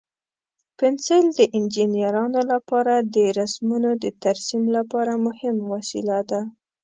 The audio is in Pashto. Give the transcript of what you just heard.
پنسل د انجینرانو لپاره د رسمونو د ترسیم لپاره مهم وسیله ده.